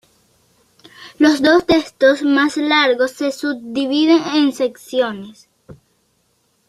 Los dos textos más largos se subdividen en secciones.